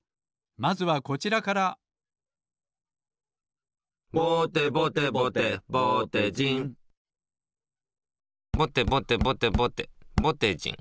まずはこちらから「ぼてぼてぼてぼてじん」ぼてぼてぼてぼてぼてじん。